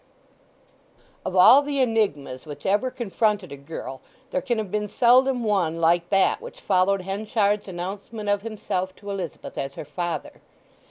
XX. Of all the enigmas which ever confronted a girl there can have been seldom one like that which followed Henchard's announcement of himself to Elizabeth as her father.